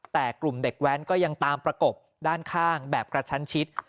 แต่กลุ่มเด็กแว้นก็ยังตามประกบด้านข้างแบบกระชั้นชิด